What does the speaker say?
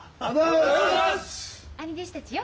兄弟子たちよ。